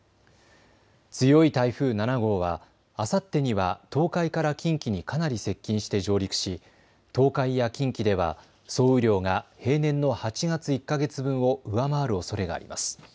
強い台風７号はあさってには東海から近畿にかなり接近して上陸し、東海や近畿では総雨量が平年の８月１か月分を上回るおそれがあります。